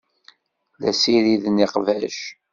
La ssiriden iqbac.